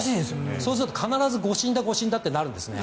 そうすると必ず誤審だ、誤審だとなるんですね。